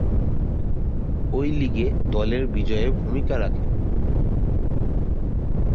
ঐ লীগে দলের বিজয়ে ভূমিকা রাখেন।